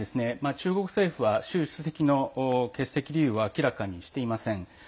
中国政府は習主席の欠席理由は明らかにしていません。